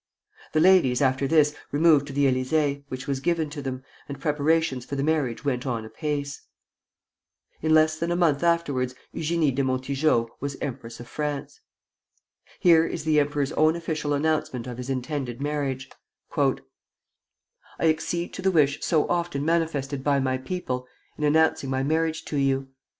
The ladies, after this, removed to the Élysée, which was given to them, and preparations for the marriage went on apace. In less than a month afterwards Eugénie de Montijo was empress of France. Here is the emperor's own official announcement of his intended marriage: "I accede to the wish so often manifested by my people in announcing my marriage to you.